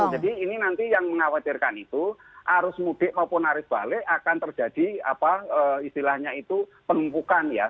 jadi ini nanti yang mengkhawatirkan itu arus mudik maupun naris balik akan terjadi istilahnya itu penumpukan ya